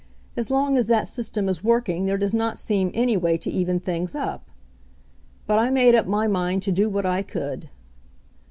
As long as that system is working there does pot seem any way to even things up. But I made up my mind to do what I could.